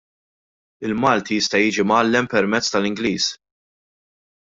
Il-Malti jista' jiġi mgħallem permezz tal-Ingliż.